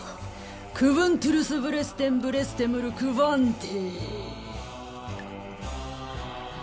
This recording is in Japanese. クヴントゥルスブレステンブレステムル・クヴァンテ。